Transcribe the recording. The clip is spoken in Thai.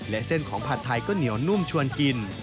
และเส้นของผัดไทยก็เหนียวนุ่มชวนกิน